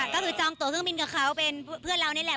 ก็คือจองตัวเครื่องบินกับเขาเป็นเพื่อนเรานี่แหละ